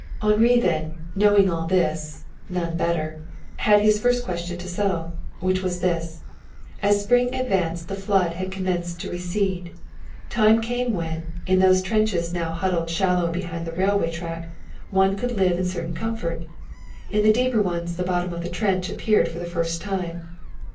Henri then, knowing all this none better had his first question to settle, which was this: As spring advanced the flood had commenced to recede. Time came when, in those trenches now huddled shallow behind the railway track, one could live in a certain comfort. In the deeper ones, the bottom of the trench appeared for the first time.